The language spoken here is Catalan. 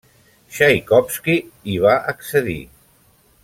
Txaikovski hi va accedir.